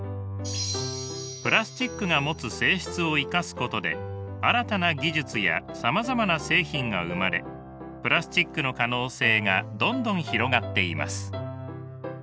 プラスチックが持つ性質を生かすことで新たな技術やさまざまな製品が生まれプラスチックの可能性がどんどん広がっています。